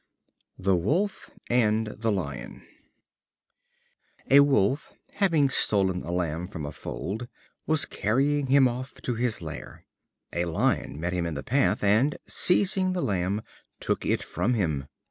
The Wolf and the Lion. A Wolf, having stolen a lamb from a fold, was carrying him off to his lair. A Lion met him in the path, and, seizing the lamb, took it from him.